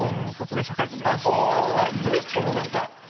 その何か。